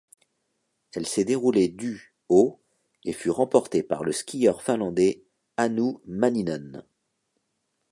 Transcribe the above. Elle s'est déroulée du au et fut remportée par le skieur finlandais Hannu Manninen.